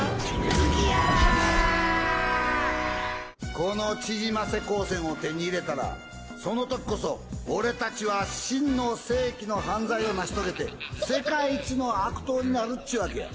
この縮ませ光線を手に入れたらその時こそ俺たちは真の世紀の犯罪を成し遂げて世界一の悪党になるっちゅうわけや。